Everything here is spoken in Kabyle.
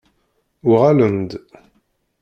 Uɣalem-d!